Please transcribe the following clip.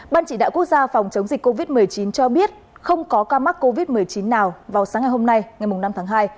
ban chỉ đạo quốc gia phòng chống dịch covid một mươi chín cho biết không có ca mắc covid một mươi chín nào vào sáng ngày hôm nay ngày năm tháng hai